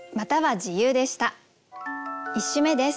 １首目です。